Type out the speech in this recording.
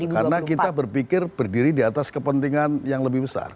karena kita berpikir berdiri di atas kepentingan yang lebih besar